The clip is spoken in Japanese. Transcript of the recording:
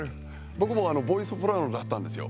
僕もボーイソプラノだったんですよ。